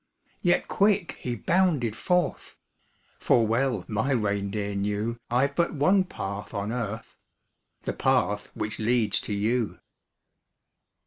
Yet quick he bounded forth; For well my reindeer knew I've but one path on earth The path which leads to you.